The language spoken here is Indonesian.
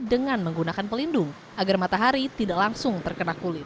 dengan menggunakan pelindung agar matahari tidak langsung terkena kulit